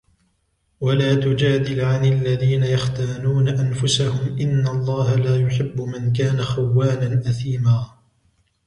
وَلَا تُجَادِلْ عَنِ الَّذِينَ يَخْتَانُونَ أَنْفُسَهُمْ إِنَّ اللَّهَ لَا يُحِبُّ مَنْ كَانَ خَوَّانًا أَثِيمًا